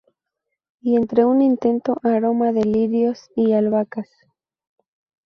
Y entre un intenso aroma de lirios y albahacas.